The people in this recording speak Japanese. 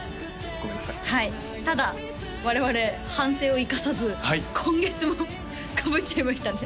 ごめんなさいはいただ我々反省を生かさず今月もかぶっちゃいましたね